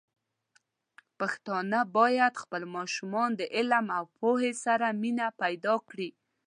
پښتانه بايد خپل ماشومان د علم او پوهې سره مینه پيدا کړي.